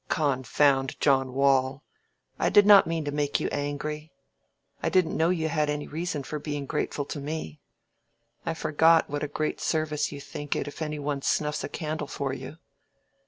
"Confound John Waule! I did not mean to make you angry. I didn't know you had any reason for being grateful to me. I forgot what a great service you think it if any one snuffs a candle for you."